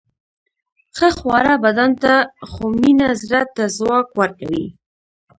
ښه خواړه بدن ته، خو مینه زړه ته ځواک ورکوي.